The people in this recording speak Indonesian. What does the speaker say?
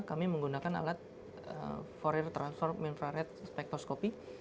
kami menggunakan alat fourier transform infrared spectroscopy